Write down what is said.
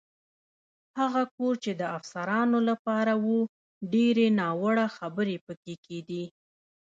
هغه کور چې د افسرانو لپاره و، ډېرې ناوړه خبرې پکې کېدې.